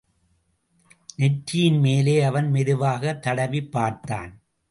நெற்றியின் மேலே அவன் மெதுவாகத் தடவிப் பார்த்தான்.